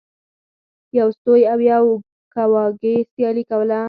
یو سوی او یو کواګې سیالي کوله.